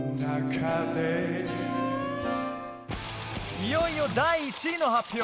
いよいよ第１位の発表。